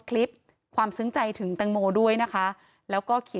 ก็อาจจะไม่ตรงอย่างที่เราคิดไว้